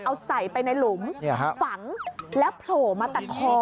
เอาใส่ไปในหลุมฝังแล้วโผล่มาแต่คอ